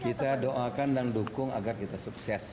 kita doakan dan dukung agar kita sukses